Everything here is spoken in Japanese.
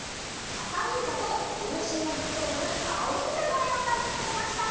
あかにんじゃとぶんしんのじゅつをするあおにんじゃのえをかいてくれました。